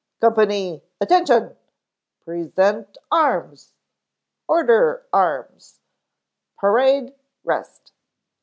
"Company, Attention! Present Arms! Order Arms! Parade, Rest!"